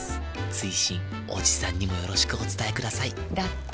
追伸おじさんにもよろしくお伝えくださいだって。